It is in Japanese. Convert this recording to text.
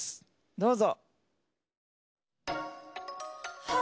どうぞ。